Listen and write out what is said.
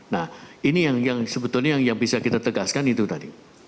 nah ini yang sebetulnya yang bisa kita tegaskan itu tadi